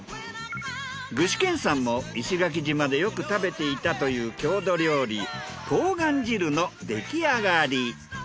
具志堅さんも石垣島でよく食べていたという郷土料理冬瓜汁の出来上がり。